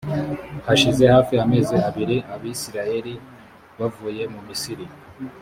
hashize hafi amezi abiri abisirayeli bavuye mu misiri